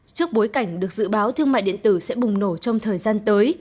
trước bối cảnh được dự báo thương mại điện tử sẽ bùng nổ trong thời gian tới